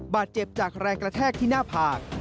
บาดเจ็บจากแรงกระแทกที่หน้าผาก